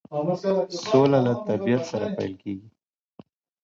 سوله له طبیعت سره پیل کیږي.